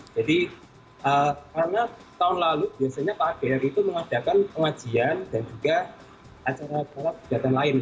jadi karena tahun lalu biasanya kbr itu mengadakan pengajian dan juga acara para budaya lain